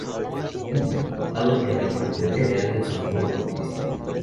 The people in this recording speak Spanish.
Siendo sepultado en el panteón general de San Juan Bautista.